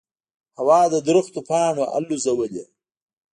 هوا د درختو پاڼې الوزولې.